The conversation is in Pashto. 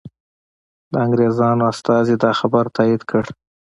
د انګریزانو استازي دا خبر تایید کړ.